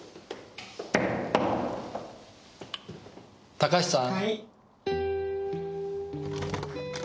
高橋さん？